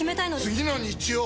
次の日曜！